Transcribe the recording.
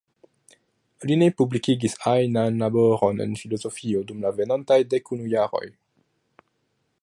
Li ne publikigis ajnan laboron en filozofio dum la venontaj dek unu jaroj.